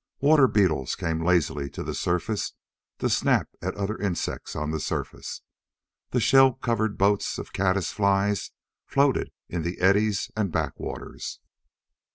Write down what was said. Water beetles came lazily to the surface to snap at other insects on the surface. The shell covered boats of caddis flies floated in the eddies and backwaters.